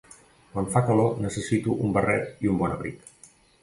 Quan fa calor necessito un barret i un bon abric.